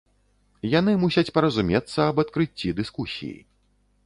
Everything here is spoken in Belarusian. Яны мусяць паразумецца аб адкрыцці дыскусіі.